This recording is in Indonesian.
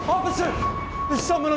ada sesuatu di jalanan